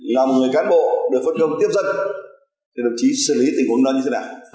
là một người cán bộ được phân công tiếp dân để đồng chí xử lý tình huống đó như thế nào